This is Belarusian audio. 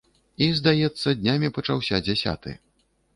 І, здаецца, днямі пачаўся дзясяты.